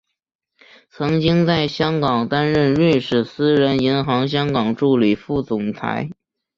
曾经在香港担任瑞士私人银行香港助理副总裁。